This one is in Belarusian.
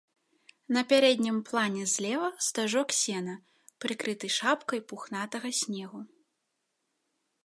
На пярэднім плане злева стажок сена, прыкрыты шапкай пухнатага снегу.